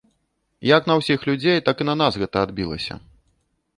Як на ўсіх людзей, так і на нас гэта адбілася.